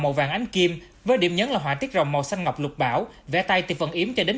màu vàng ánh kim với điểm nhấn là họa tiết rồng màu xanh ngọc lục bảo vẽ tay ti vẫn vận yếm cho đến